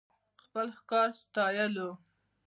خپل ښکار ستايلو .